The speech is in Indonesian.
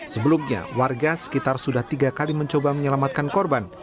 sebelumnya warga sekitar sudah tiga kali mencoba menyelamatkan korban